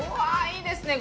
いいですね